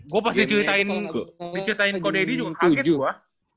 gua pas diculitain diculitain kode id juga kaget gua